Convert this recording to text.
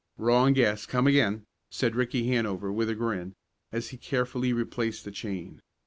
"Wrong guess come again," said Ricky Hanover with a grin, as he carefully replaced the chain.